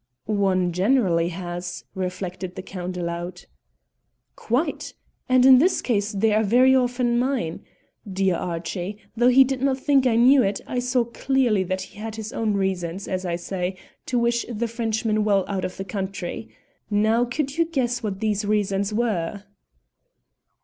"One generally has," reflected the Count aloud. "Quite! and in his case they are very often mine. Dear Archie! Though he did not think I knew it, I saw clearly that he had his own reasons, as I say, to wish the Frenchman well out of the country. Now could you guess what these reasons were?"